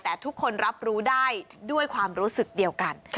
แต่ทุกคนรับรู้ได้ด้วยความรู้สึกเดียวกัน